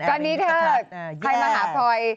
ตอนนี้ถ้าใครมาหาพลอย